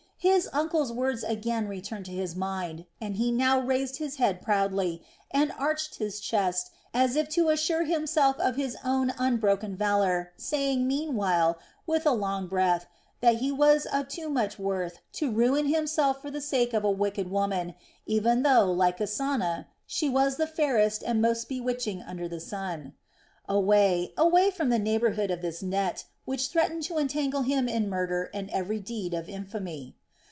His uncle's words again returned to his mind, and he now raised his head proudly and arched his chest as if to assure himself of his own unbroken vigor, saying meanwhile, with a long breath, that he was of too much worth to ruin himself for the sake of a wicked woman, even though, like Kasana, she was the fairest and most bewitching under the sun. Away, away from the neighborhood of this net, which threatened to entangle him in murder and every deed of infamy.